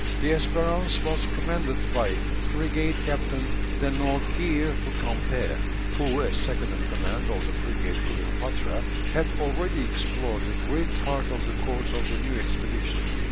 The Espérance was commanded by Frigate Captain De Nourquer du Camper, who, as second in command of the frigate Cleopatra, had already explored a great part of the course of the new expedition.